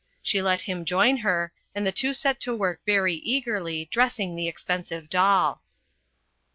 She let him join her, and the two set to work very eagerly dressing the expensive doll.